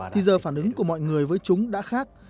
thì giờ phản ứng của mọi người với chúng đã khác